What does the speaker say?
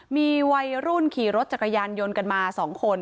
มีวัยรุ่นขี่รถจักรยานยนต์กันมา๒คน